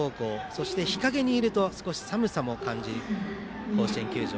そして日陰にいると少し寒さも感じる甲子園球場。